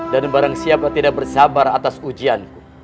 dan barangsiapa tidak bersabar atas ujianku